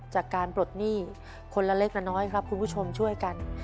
จากการปลดหนี้คนละเล็กละน้อยครับคุณผู้ชมช่วยกัน